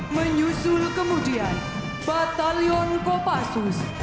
menyusul kemudian batalion kopassus